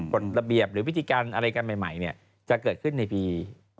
กฎระเบียบหรือวิธีการอะไรกันใหม่จะเกิดขึ้นในปี